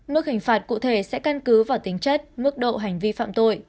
mức hình phạt cụ thể sẽ căn cứ vào tính chất mức độ hành vi phạm tội